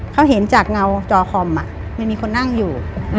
เขาเห็นจากเงาจอคอมไม่มีคนนั่งอยู่